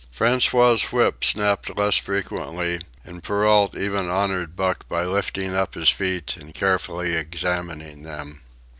François's whip snapped less frequently, and Perrault even honored Buck by lifting up his feet and carefully examining them.